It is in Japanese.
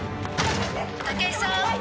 武井さん？